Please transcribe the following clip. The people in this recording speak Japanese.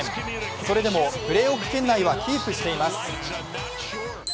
それでもプレーオフ圏内はキープしています。